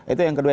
itu yang kedua